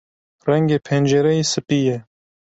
Rengê pencereyê spî ye.